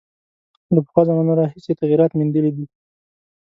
له پخوا زمانو راهیسې یې تغییرات میندلي دي.